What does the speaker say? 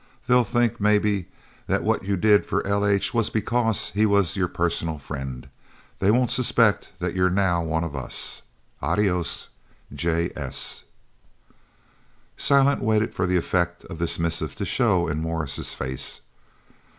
They'll think, maybe, that what you did for L.H. was because he was your personal friend. They won't suspect that you're now one of us. Adios, "'J.S.'" Silent waited for the effect of this missive to show in Morris's face.